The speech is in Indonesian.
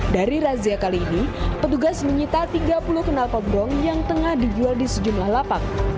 dari razia kali ini petugas menyita tiga puluh kenal pobrong yang tengah dijual di sejumlah lapak